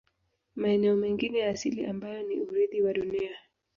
Maeneo mengi ya asili ambayo ni urithi wa dunia